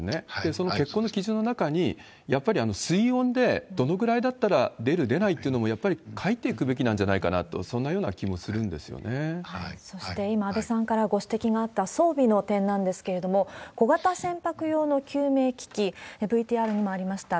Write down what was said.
その欠航の基準の中に、やっぱり水温で、どのくらいだったら出る、出ないっていうのもやっぱり書いていくべきなんじゃないかなと、そして今、安倍さんからご指摘があった装備の点なんですけれども、小型船舶用の救命浮器、ＶＴＲにもありました